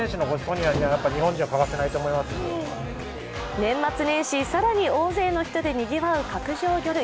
年末年始、更に大勢の人でにぎわう角上魚類。